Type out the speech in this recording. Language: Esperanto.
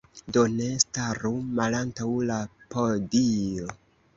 Do, ne staru malantaŭ la podio.